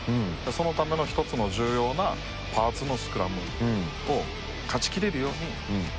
そのための１つの重要なパーツのスクラムを勝ちきれるように。